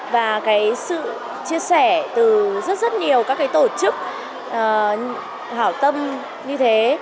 và cái sự chia sẻ từ rất rất nhiều các tổ chức hảo tâm như thế